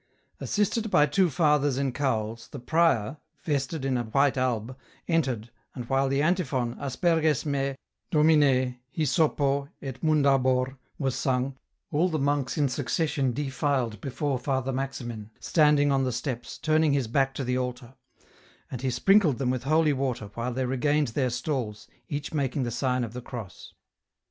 Assisted by two fathers in cowls, the prior, vested in a white alb, entered, and while the antiphon " Asperges me, Domine, hyssopo, et mundabor " was sung, all the monks in succession defiled before Father Maximin, standing on the steps, turning his back to the altar ; and he sprinkled them with holy water, while they regained their stalls, each making the sign of the cross.